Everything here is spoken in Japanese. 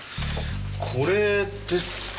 これですか？